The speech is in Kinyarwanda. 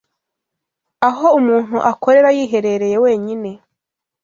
aho umuntu akorera yiherereye wenyine